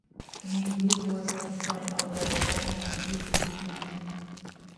The name blue dwarf has been coined although that name could easily be confusing.